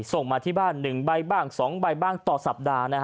ส่งมาที่บ้านหนึ่งใบบ้างสองใบบ้างต่อสัปดาห์นะฮะ